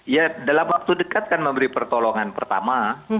ya dalam waktu dekat kan memberi pertolongan pertama